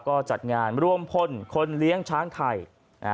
ก็จัดงานร่วมพลคนเลี้ยงช้างไทย